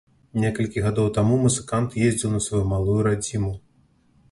Некалькі гадоў таму музыкант ездзіў на сваю малую радзіму.